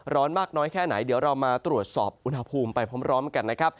ร้อนมากน้อยแค่ไหนเดี๋ยวเรามาตรวจสอบอุณหภูมิไปพร้อมกันนะครับ